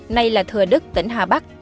nay là thừa đức tỉnh hà bắc